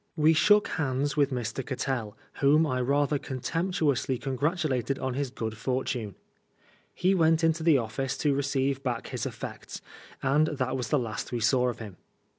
We shook hands with Mr. Cattell, whom I rather contemptuously congratulated on his good fortune. He went into the office to receive back his effects, and that was the last we saw of him.